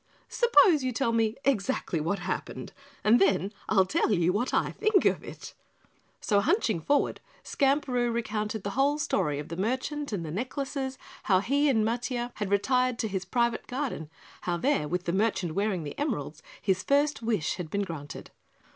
"Suppose you tell me exactly what happened and then I'll tell you what I think of it." So, hunching forward, Skamperoo recounted the whole story of the merchant and the necklaces, how he and Matiah had retired to his private garden, how there, with the merchant wearing the emeralds, his first wish had been granted.